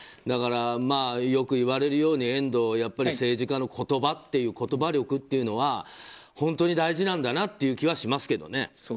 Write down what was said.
だからよく言われるように遠藤、政治家の言葉というか言葉力というのは本当に大事なんだなという気はしますけどね。